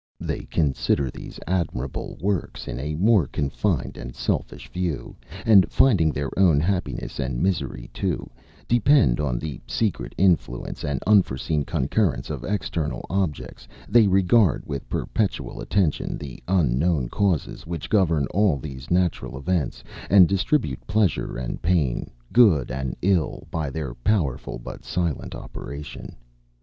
They consider these admirable works in a more confined and selfish view; and finding their own happiness and misery to depend on the secret influence, and unforeseen concurrence of external objects, they regard, with perpetual attention, the unknown causes which govern all these natural events, and distribute pleasure and pain, good and ill, by their powerful but silent operation.